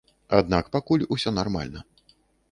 Аднак пакуль усё нармальна.